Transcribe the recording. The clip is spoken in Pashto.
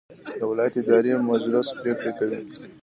د ولایت اداري مجلس پریکړې کوي